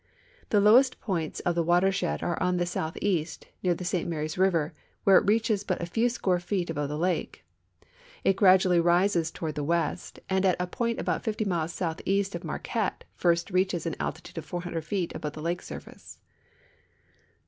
The lowest points of the watershed are on the south east, near the St Marys river, where it reaches but a few score feet above the lake. It gradually rises toward the west, and at a point al)out fifty miles soutiieast of Maniuette first reaches an altitude of 400 feet al)Ove tiie lake surface.